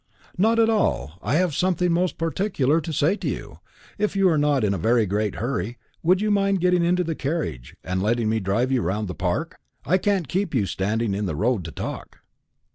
"Not at all. I have something most particular to say to you. If you are not in a very great hurry, would you mind getting into the carriage, and letting me drive you round the Park? I can't keep you standing in the road to talk."